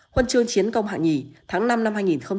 huân chương chiến công hạng nhì tháng năm năm hai nghìn bảy